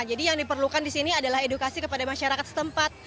jadi yang diperlukan di sini adalah edukasi kepada masyarakat setempat